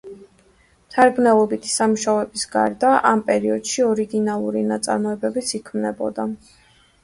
მთარგმნელობითი სამუშაოების გარდა ამ პერიოდში ორიგინალური ნაწარმოებებიც იქმნებოდა.